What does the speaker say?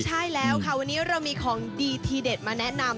ค่ะแล้วโดยมีของดีที่เด็ดมาแนะนำ